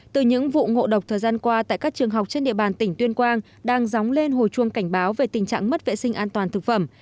từ những vụ ngộ độc thời gian qua tại các trường học trên địa bàn tỉnh tuyên quang đang dóng lên hồi chuông cảnh báo về tình trạng mất vệ sinh an toàn thực phẩm